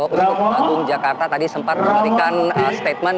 kejaksaan agung jakarta tadi sempat memberikan statement